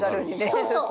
そうそう。